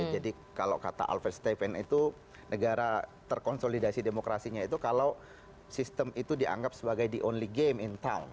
jadi kalau kata alfred stephen itu negara terkonsolidasi demokrasinya itu kalau sistem itu dianggap sebagai the only game in town